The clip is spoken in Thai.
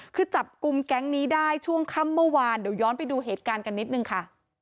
คือจับกลุ่มแก๊งนี้ได้ช่วงค่ำเมื่อวานเดี๋ยวย้อนไปดูเหตุการณ์กันนิดนึงค่ะ